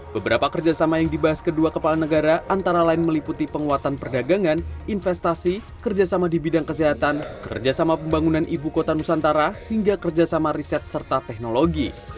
beberapa kerjasama yang dibahas kedua kepala negara antara lain meliputi penguatan perdagangan investasi kerjasama di bidang kesehatan kerjasama pembangunan ibu kota nusantara hingga kerjasama riset serta teknologi